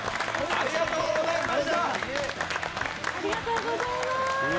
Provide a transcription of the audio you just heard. ありがとうございます。